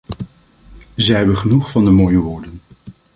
Zij hebben genoeg van de mooie woorden.